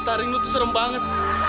taring lu tuh serem banget